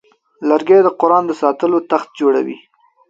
لرګی د قرآن د ساتلو تخت جوړوي.